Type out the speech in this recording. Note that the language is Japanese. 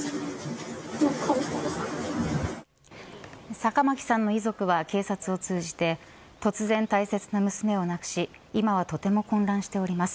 坂巻さんの遺族は警察を通じて突然、大切な娘を亡くし今はとても混乱しております